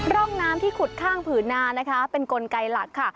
ร่องน้ำที่ขุดข้างผืนนานะคะเป็นกลไกหลักค่ะ